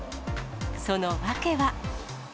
その訳は。